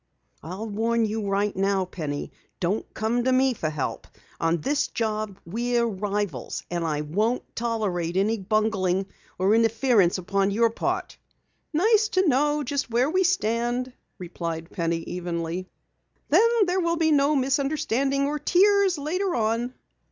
I'll warn you right now, Penny, don't come to me for help. On this job we're rivals. And I won't tolerate any bungling or interference upon your part!" "Nice to know just where we stand," replied Penny evenly. "Then there will be no misunderstanding or tears later on."